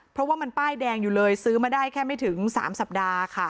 เพราะว่ามันป้ายแดงอยู่เลยซื้อมาได้แค่ไม่ถึง๓สัปดาห์ค่ะ